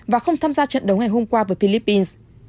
và không tham gia trận đấu ngày hôm qua với philippines